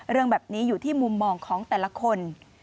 เรื่องแบบนี้อยู่ที่มุมมองของแต่ละคน